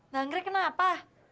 mbak anggrek kenapa